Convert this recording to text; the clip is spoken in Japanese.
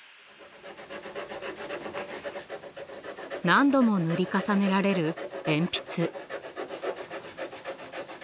何度も塗り重ねられる鉛筆。